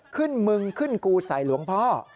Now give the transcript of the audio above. มึงขึ้นกูใส่หลวงพ่อ